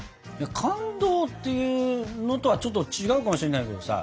感動っていうのとはちょっと違うかもしれないけどさ。